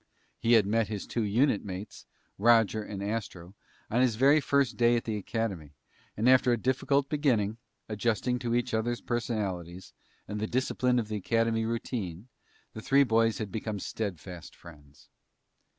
He had met his two unit mates, Roger and Astro, on his very first day at the Academy, and after a difficult beginning, adjusting to each other's personalities and the discipline of the Academy routine, the three boys had become steadfast friends.